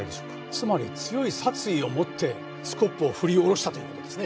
つまり強い殺意を持ってスコップを振り下ろしたという事ですね？